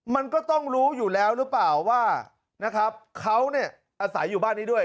มันก็ต้องรู้อยู่แล้วหรือเปล่าว่านะครับเขาเนี่ยอาศัยอยู่บ้านนี้ด้วย